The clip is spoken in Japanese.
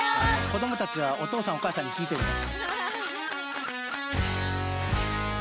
子供たちはお父さんお母さんに聞いてね。